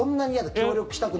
協力したくない？